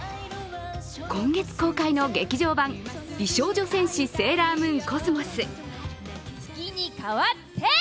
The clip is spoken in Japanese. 今月公開の劇場版「美少女戦士セーラームーンＣｏｓｍｏｓ」。